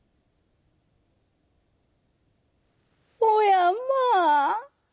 「おやまあ！